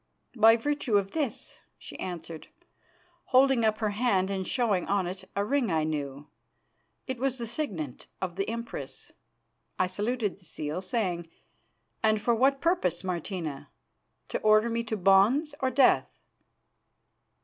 "By virtue of this," she answered, holding up her hand and showing on it a ring I knew. It was the signet of the Empress. I saluted the seal, saying: "And for what purpose, Martina? To order me to bonds or death?"